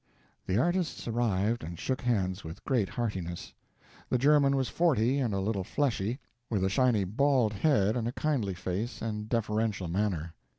The artists arrived and shook hands with great heartiness. The German was forty and a little fleshy, with a shiny bald head and a kindly face and deferential manner.